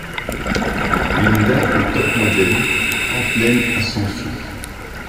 Linda est top model en pleine ascension.